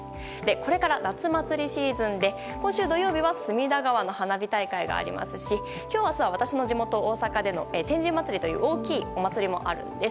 これから夏まつりシーズンで今週土曜日は隅田川の花火大会がありますし今日、明日は私の地元・大阪でも天神祭という大きいお祭りもあるんです。